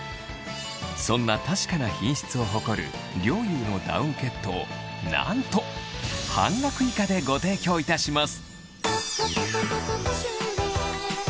そんな確かな品質を誇る菱友のダウンケットをなんとでご提供いたします